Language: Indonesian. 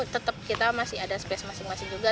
tetap kita masih ada space masing masing juga